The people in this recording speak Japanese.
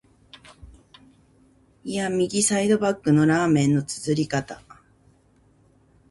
いーや、右サイドバックのラーメンの啜り方！